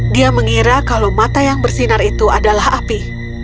dia mengira kalau mata yang bersinar itu adalah api